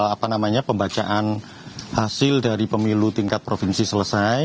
apa namanya pembacaan hasil dari pemilu tingkat provinsi selesai